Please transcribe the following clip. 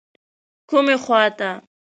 کومې خواته.